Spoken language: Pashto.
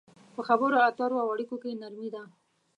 په خبرو اترو او اړيکو کې نرمي ده.